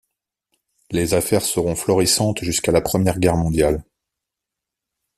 Les affaires seront florissantes jusqu’à la Première Guerre mondiale.